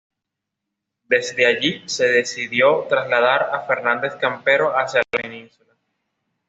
Desde allí, se decidió trasladar a Fernández Campero hacia la Península.